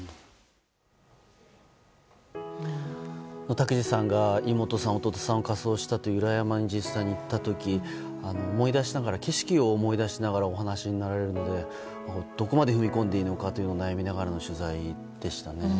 拓治さんが妹さん弟さんを火葬したという裏山に実際に行った時景色を思い出しながらお話になられるのでどこまで踏み込んでいいのか悩みながらの取材でした。